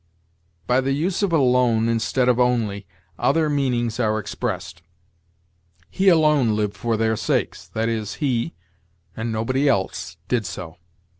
"By the use of alone, instead of only, other meanings are expressed. 'He alone lived for their sakes'; that is, he, and nobody else, did so.